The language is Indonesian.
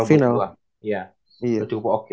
iya udah cukup oke